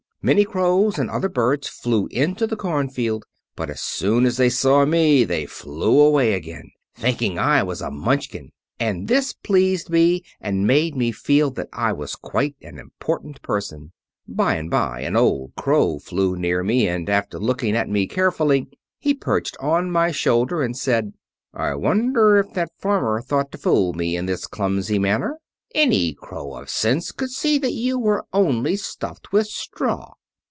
Many crows and other birds flew into the cornfield, but as soon as they saw me they flew away again, thinking I was a Munchkin; and this pleased me and made me feel that I was quite an important person. By and by an old crow flew near me, and after looking at me carefully he perched upon my shoulder and said: "'I wonder if that farmer thought to fool me in this clumsy manner. Any crow of sense could see that you are only stuffed with straw.